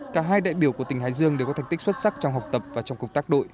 cả hai đại biểu của tỉnh hải dương đều có thành tích xuất sắc trong học tập và trong cục tác đội